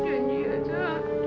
janji aja jah